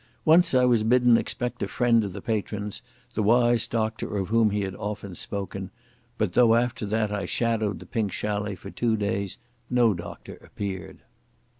Once I was bidden expect a friend of the patron's, the wise doctor of whom he had often spoken, but though after that I shadowed the Pink Chalet for two days no doctor appeared.